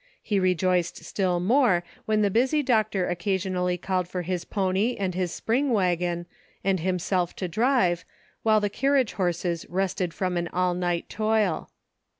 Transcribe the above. He rejoiced still more when the busy doctor occasionally called for his pony and his spring wagon, and himself to drive, while the carriage horses rested from an all night toil.